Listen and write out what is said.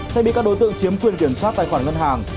sẽ bị các đối tượng chiếm quyền kiểm soát tài khoản ngân hàng